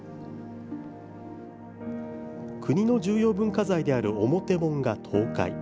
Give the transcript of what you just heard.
国の重要文化財である表門が倒壊。